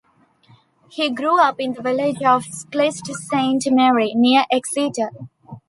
He grew up in the village of Clyst Saint Mary, near Exeter.